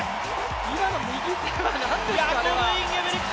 今の右手は何ですか、あれは。